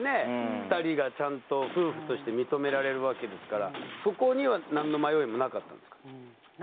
２人がちゃんと夫婦として認められるわけですからそこには何の迷いもなかったんですか？